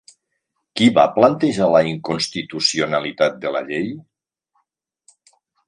Qui va plantejar la inconstitucionalitat de la llei?